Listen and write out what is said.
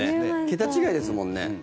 桁違いですもんね。